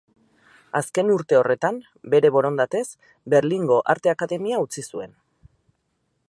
Azken urte horretan, bere borondatez, Berlingo Arte Akademia utzi zuen.